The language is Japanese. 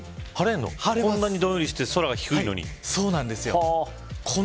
こんなにどんよりして空が低いのに、晴れるの。